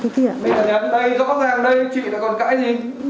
bây giờ nhắn đây rõ ràng đây chị lại còn cãi gì